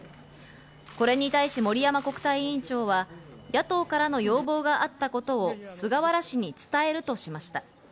これに対し森山国対委員長は野党からの要望があったことを菅原氏に伝えるとしました。